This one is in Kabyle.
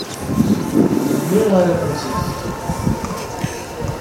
Melmi ara ak-t-id-fken?